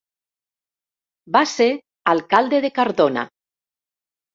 Va ser Alcalde de Cardona.